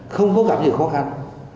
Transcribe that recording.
không có gặp gì khó khăn